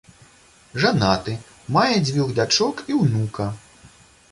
Жанаты, мае дзвюх дачок і ўнука.